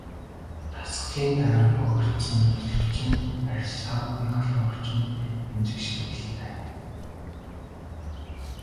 Дасгалын дараа бохирдсон, тослогжсон арьс сауны халуун орчинд эмзэгших магадлалтай.